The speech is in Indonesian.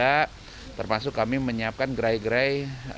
dan juga termasuk kami menyiapkan gerai gerai